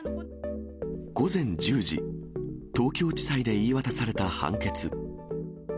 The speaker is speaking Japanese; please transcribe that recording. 午前１０時、東京地裁で言い渡された判決。